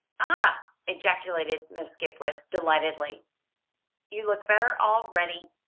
"Ah," ejaculated Miss Skipwith, delightedly. "You look better already.